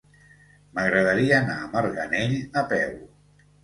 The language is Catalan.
M'agradaria anar a Marganell a peu.